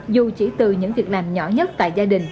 dù chỉ từ những việc làm nhỏ nhất tại gia đình